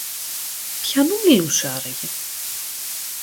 Ποιανού μιλούσε άραγε;